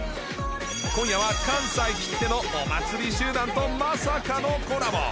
今夜は関西きってのお祭り集団とのとまさかのコラボ。